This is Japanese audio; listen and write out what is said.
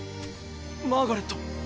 マーガレット。